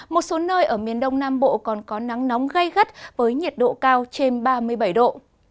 một số nơi ở miền đông nam bộ còn có nắng nóng gây gắt với nhiệt độ cao trên ba mươi bảy độ